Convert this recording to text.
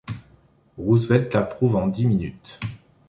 Roosevelt l'approuve en dix minutes.